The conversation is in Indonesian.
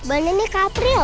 bannya nih kak april